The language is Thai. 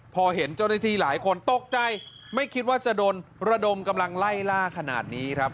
พอเห็นเจ้าหน้าที่หลายคนตกใจไม่คิดว่าจะโดนระดมกำลังไล่ล่าขนาดนี้ครับ